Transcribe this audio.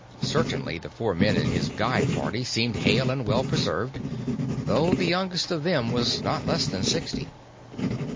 Certainly the four men in his guide party seemed hale and well preserved, though the youngest of them was not less than sixty.